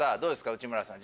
内村さん